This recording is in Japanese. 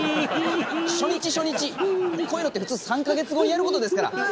こういうのって普通３か月後にやることですから。